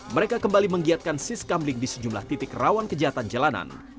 mereka kembali menggiatkan siskamling di sejumlah titik rawan kejahatan jalanan